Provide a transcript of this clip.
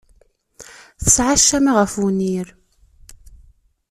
Tesɛa ccama ɣef wenyir.